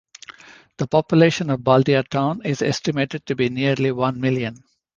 The population of Baldia Town is estimated to be nearly one million.